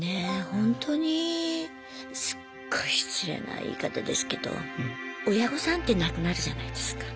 ほんとにすっごい失礼な言い方ですけど親御さんって亡くなるじゃないですか。